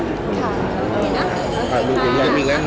ค่ะโอเคนะขอบคุณพีเคย